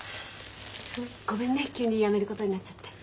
ごめんね急に辞めることになっちゃって。